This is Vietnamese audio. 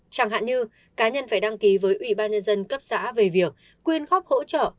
chẳng hạn như cá nhân phải đăng ký với ubnd cấp xã về việc quyên góp hỗ trợ